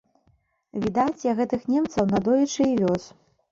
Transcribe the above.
Відаць, я гэтых немцаў надоечы і вёз.